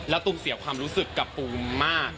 แล้วตูมเสียความรู้สึกกับปูมมาก